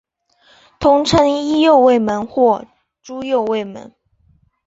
通称伊又卫门或猪右卫门。